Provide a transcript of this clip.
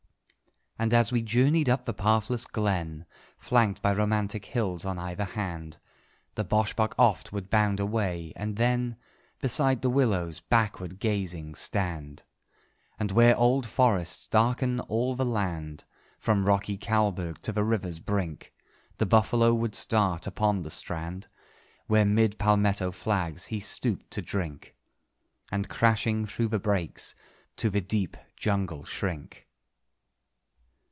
And as we journeyed up the pathless glen, Flanked by romantic hills on either hand, The boschbok oft would bound away and then Beside the willows, backward gazing, stand. And where old forests darken all the land From rocky Kalberg to the river's brink, The buffalo would start upon the strand, Where, 'mid palmetto flags, he stooped to drink, And, crashing through the brakes, to the deep jungle shrink.